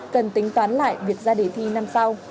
cần tính toán lại việc ra đề thi năm sau